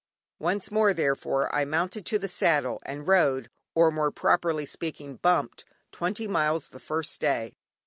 Once more, therefore, I mounted to the saddle, and rode, or more properly speaking bumped, twenty miles the first day.